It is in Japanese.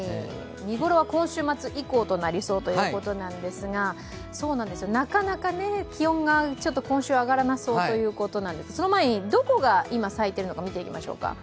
見頃は今週末以降になりそうということなんですがなかなか、気温が今週上がらなそうということなのでその前に、どこが今咲いているのか見ていきましょうか。